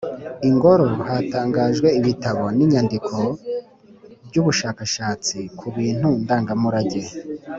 ingoro Hatangajwe ibitabo n inyandiko by ubushakashatsi ku bintu ndangamurage